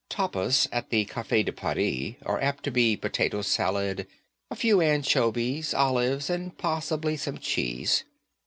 Tapas at the Cafe de Paris are apt to be potato salad, a few anchovies, olives, and possibly some cheese.